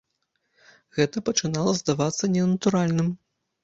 Гэта пачынала здавацца ненатуральным.